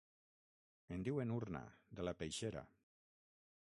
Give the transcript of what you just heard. En diuen urna, de la peixera.